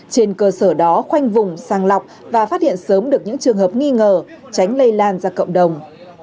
trên cơ sở đó khoanh vùng sàng lọc và phát hiện sớm được những trường hợp nghi ngờ tránh lây lan ra cộng đồng